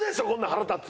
腹立つ！